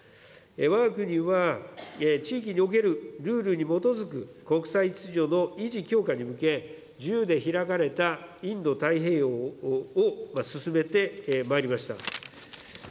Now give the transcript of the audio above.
わが国は、地域におけるルールに基づく国際秩序の維持強化に向け、自由で開かれたインド太平洋を進めてまいりました。